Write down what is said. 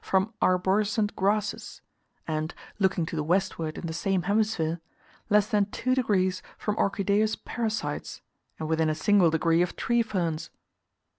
from arborescent grasses, and (looking to the westward in the same hemisphere) less than 2 degs. from orchideous parasites, and within a single degree of tree ferns!